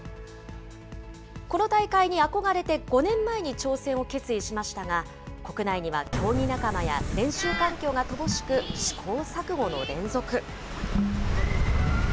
この大会に憧れて５年前に挑戦を決意しましたが、国内には競技仲間や練習環境が乏しく、試行錯誤の連続。